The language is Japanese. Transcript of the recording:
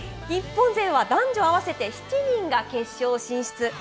日本勢は男女合わせて７人が決勝進出。